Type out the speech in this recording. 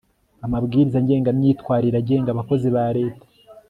amabwiriza ngengamyitwarire agenga abakozi ba leta